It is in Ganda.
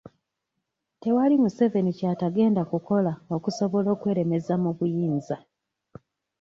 Tewali Museveni kyatagenda kukola okusobola okweremeza mu buyinza.